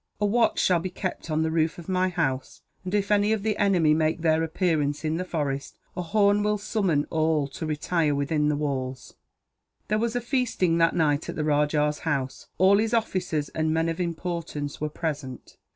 A watch shall be kept on the roof of my house and, if any of the enemy make their appearance in the forest, a horn will summon all to retire within the walls." There was feasting that night at the rajah's house. All his officers and men of importance were present.